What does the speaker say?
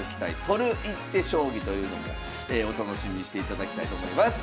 「取る一手将棋」というのもお楽しみにしていただきたいと思います。